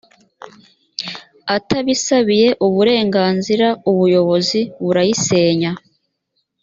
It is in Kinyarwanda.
atabisabiye uburenganzira ubuyobozi burayisenya